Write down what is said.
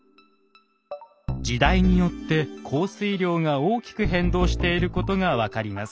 時代によって降水量が大きく変動していることが分かります。